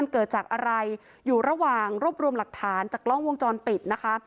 เกิดจากอะไรอยู่ระหว่างรวบรวมหลักฐานจากกล้องวงจรปิดนะคะ